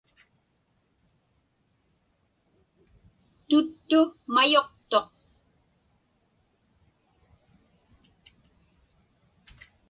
Tuttu mayuqtuq.